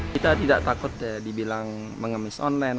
kita tidak takut dibilang mengemis online